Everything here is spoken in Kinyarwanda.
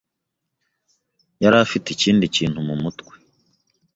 yari afite ikindi kintu mumutwe.